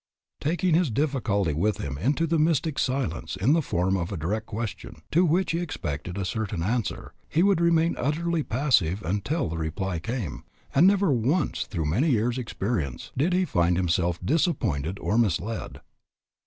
Taking his difficulty with him into the mystic silence in the form of a direct question, to which he expected a certain answer, he would remain utterly passive until the reply came, and never once through many years' experience did he find himself disappointed or misled.